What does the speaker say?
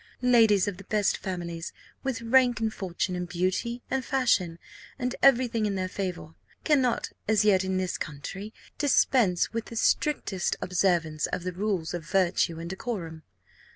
Ladies of the best families, with rank and fortune, and beauty and fashion, and every thing in their favour, cannot (as yet in this country) dispense with the strictest observance of the rules of virtue and decorum.